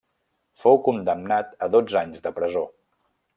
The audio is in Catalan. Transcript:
Fou condemnat a dotze anys de presó.